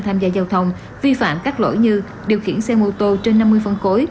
tham gia giao thông vi phạm các lỗi như điều khiển xe mô tô trên năm mươi phân khối